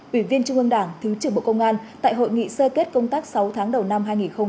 ủy viên trung ương đảng thứ trưởng bộ công an tại hội nghị sơ kết công tác sáu tháng đầu năm hai nghìn hai mươi ba